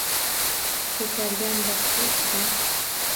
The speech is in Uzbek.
Ko’kargan bog’cha ichidan